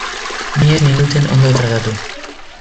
Ni ez ninduten ondo tratatu.